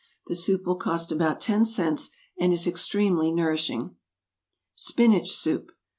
The soup will cost about ten cents, and is extremely nourishing. =Spinach Soup.